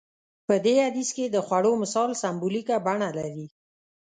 په دې حديث کې د خوړو مثال سمبوليکه بڼه لري.